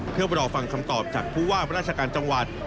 เพื่อรอฟังคำตอบจากผู้ว่าราชการจังหวัด